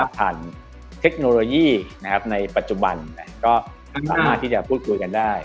เทคโนโลยีในปัจจุบันก็สามารถที่จะพูดคุยกันได้